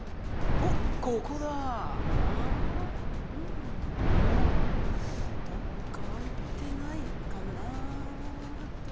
おどっか空いてないかなと。